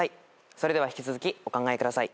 それでは引き続きお考えください。